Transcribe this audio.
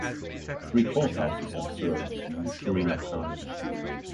Three courthouses have served Greenup County.